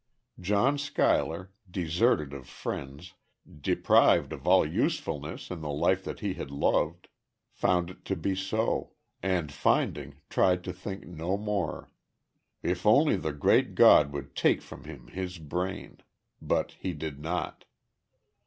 John Schuyler, deserted of friends, deprived of all usefulness in the life that he had loved, found it to be so; and, finding, tried to think no more.... If only the Great God would take from him his brain! ... But He did not....